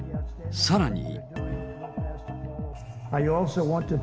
さらに。